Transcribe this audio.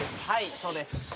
はいそうです。